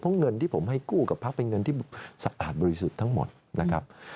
เพราะเงินที่ผมให้กู้กับพักเป็นเงินที่สัตว์อาจบริสุทธิ์ทั้งหมดนะครับ